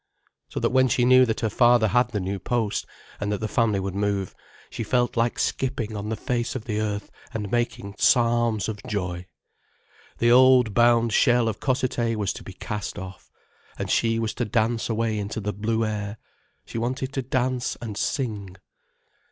So that when she knew that her father had the new post, and that the family would move, she felt like skipping on the face of the earth, and making psalms of joy. The old, bound shell of Cossethay was to be cast off, and she was to dance away into the blue air. She wanted to dance and sing.